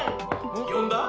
よんだ？